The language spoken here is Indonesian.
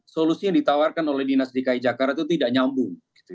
solusi yang ditawarkan oleh dinas dki jakarta itu tidak nyambung